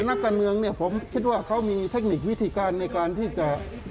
นักการเมืองเนี่ยผมคิดว่าเขามีเทคนิควิธีการในการที่จะ